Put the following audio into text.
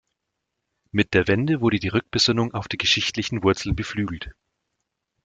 Mit der Wende wurde die Rückbesinnung auf die geschichtlichen Wurzeln beflügelt.